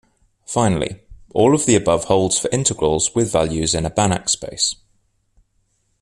Finally, all of the above holds for integrals with values in a Banach space.